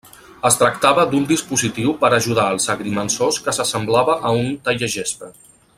Es tractava d'un dispositiu per ajudar els agrimensors que s'assemblava a un tallagespa.